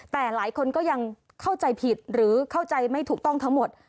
แต่หลายคนก็ยังเข้าใจผิดหรือเข้าใจไม่ถูกต้องทั้งหมด